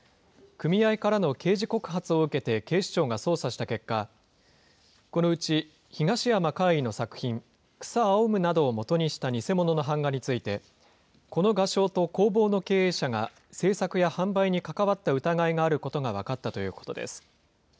組合からの刑事告発を受けて警視庁が捜査した結果、このうち東山魁夷の作品、草青むなどをもとにした偽物の版画について、この画商と工房の経営者が制作や販売に関わった疑いがあることが分かったということです。